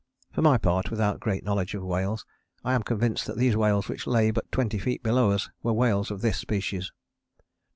For my part, without great knowledge of whales, I am convinced that these whales which lay but twenty feet below us were whales of this species.